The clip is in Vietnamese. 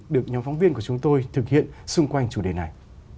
được nhóm phóng viên của chúng tôi thực hiện xung quanh chủ đề này